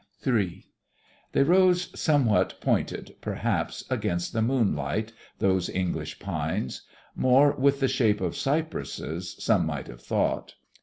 3 They rose somewhat pointed, perhaps, against the moonlight, those English pines more with the shape of cypresses, some might have thought.